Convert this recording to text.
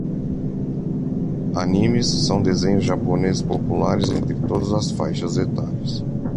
Animes são desenhos japoneses populares entre todas as faixas etárias